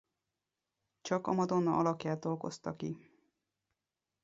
Csak a Madonna alakját dolgozta ki.